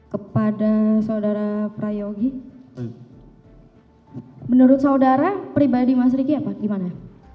kepada saudara prayogi menurut saudara pribadi mas ricky apa gimana